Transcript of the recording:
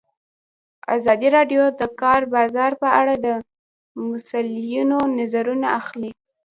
ازادي راډیو د د کار بازار په اړه د مسؤلینو نظرونه اخیستي.